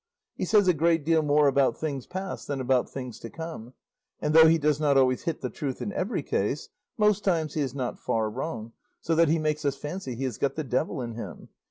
He says a great deal more about things past than about things to come; and though he does not always hit the truth in every case, most times he is not far wrong, so that he makes us fancy he has got the devil in him.